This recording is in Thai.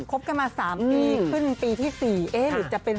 คบกันมา๓ปีขึ้นปีที่๔เอ๊ะหรือจะเป็น